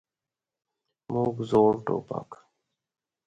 موږ زوړ ټوپک.